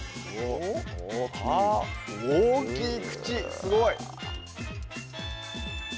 大きい口すごい！